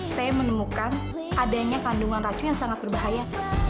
saya menemukan adanya kandungan racun yang sangat berbahaya